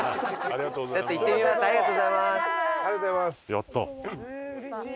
ありがとうございます。